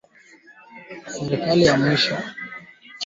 Wanyama wenye ugonjwa wanapogusana na wasio na ugonjwa huambukizana